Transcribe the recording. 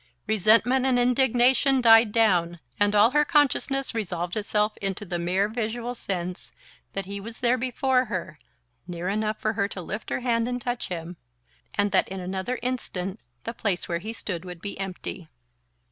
Resentment and indignation died down, and all her consciousness resolved itself into the mere visual sense that he was there before her, near enough for her to lift her hand and touch him, and that in another instant the place where he stood would be empty.